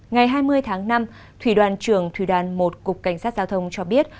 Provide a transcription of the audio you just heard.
ngày hai mươi tháng năm thủy đoàn trưởng thủy đoàn một cục cảnh sát giao thông cho biết